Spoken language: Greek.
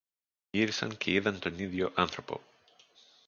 Γύρισαν και είδαν τον ίδιο άνθρωπο.